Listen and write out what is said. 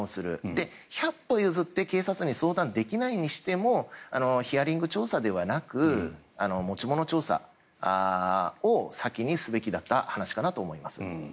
で、百歩譲って警察に相談できないにしてもヒアリング調査ではなく持ち物調査を先にすべきだった話かなと思います。